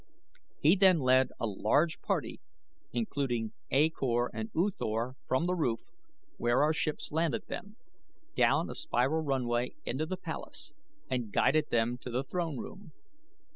He then led a large party including A Kor and U Thor from the roof, where our ships landed them, down a spiral runway into the palace and guided them to the throne room.